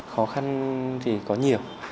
khó khăn thì có nhiều